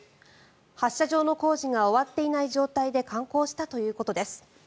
発射場の工事が終わっていない状態で敢行したということです。